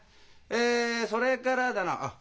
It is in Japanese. えそれからだなあっ